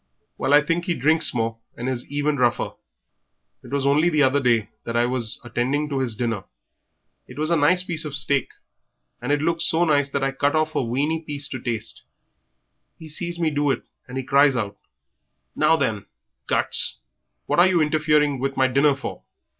"Well, I think he drinks more, and is even rougher. It was only the other day, just as I was attending to his dinner it was a nice piece of steak, and it looked so nice that I cut off a weany piece to taste. He sees me do it, and he cries out, 'Now then, guts, what are you interfering with my dinner for?'